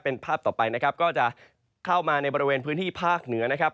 เป็นภาพต่อไปนะครับก็จะเข้ามาในบริเวณพื้นที่ภาคเหนือนะครับ